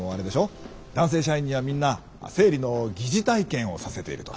男性社員にはみんな生理の疑似体験をさせているとか。